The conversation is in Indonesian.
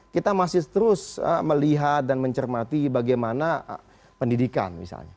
kita masih terus melihat dan mencermati bagaimana pendidikan misalnya